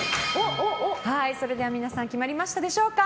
それでは皆さん決まりましたでしょうか。